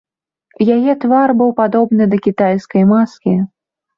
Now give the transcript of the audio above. Яе твар быў падобны да кітайскай маскі.